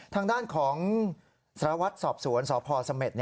ทางด้านของสรวจสอบสวนสพเสม็ด